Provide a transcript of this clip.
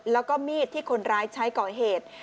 แล้วก็มีดที่คนร้ายใช้ก่อเหตุ